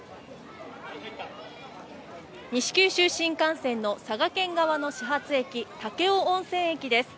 西九州新幹線の佐賀県側の始発駅武雄温泉駅です